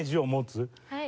はい。